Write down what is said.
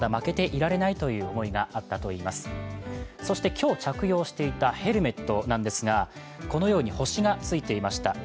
今日着用していたヘルメットなんですが、このように星がついていました。